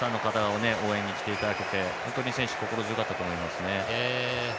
応援に来ていただけて本当に選手心強かったと思います。